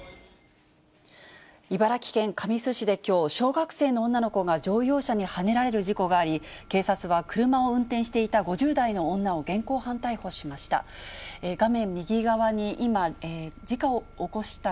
茨城県神栖市できょう、小学生の女の子が乗用車にはねられる事故があり、警察は車を運転していた５０代の女を現行犯逮捕しました。